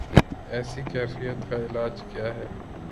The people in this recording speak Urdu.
ایسی کیفیت کا علاج کیا ہے؟